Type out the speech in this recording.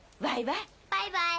バイバイ。